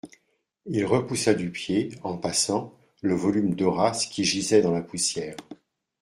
Il repoussa du pied,-en passant, le volume d'Horace qui gisait dans la poussière.